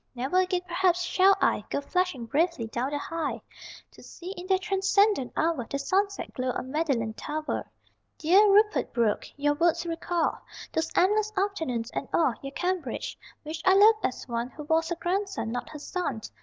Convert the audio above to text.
Never again, perhaps, shall I Go flashing bravely down the High To see, in that transcendent hour, The sunset glow on Magdalen Tower. Dear Rupert Brooke, your words recall Those endless afternoons, and all Your Cambridge which I loved as one Who was her grandson, not her son.